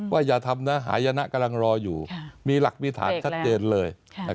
อย่าทำนะหายนะกำลังรออยู่มีหลักมีฐานชัดเจนเลย